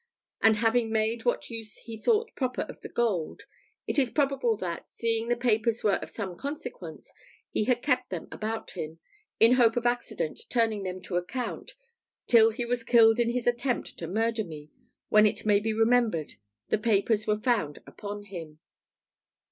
After having made what use he thought proper of the gold, it is probable that, seeing the papers were of some consequence, he had kept them about him, in hope of accident turning them to account, till he was killed in his attempt to murder me, when it may be remembered the papers were found upon him.